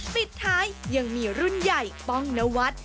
ปิดท้ายยังมีรุ่นใหญ่ป้องนวัฒน์